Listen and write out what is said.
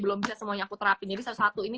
belum bisa semuanya aku terapi jadi satu satu ini